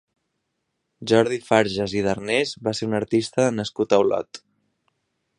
Jordi Farjas i Darnés va ser un artista nascut a Olot.